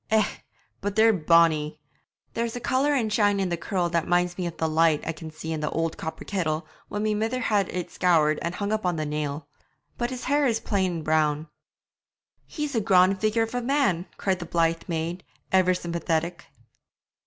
Eh! but they're bonny! There's a colour and shine in the curl that minds me of the lights I can see in the old copper kettle when my mither has it scoured and hung up on the nail; but his hair is plain brown.' 'He's a graun' figure of a man!' cried the blithe maid, ever sympathetic.